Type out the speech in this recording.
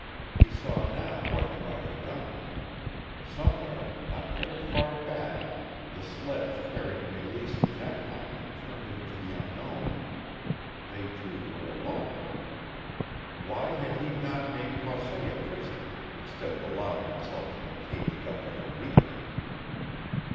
He saw now what he might have done. Somewhere, not very far back, the sledge carrying Meleese and Jackpine had turned into the unknown. They two were alone. Why had he not made Croisset a prisoner, instead of allowing himself to be caged up like a weakling?